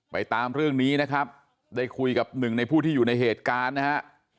ตามเรื่องนี้นะครับได้คุยกับหนึ่งในผู้ที่อยู่ในเหตุการณ์นะฮะ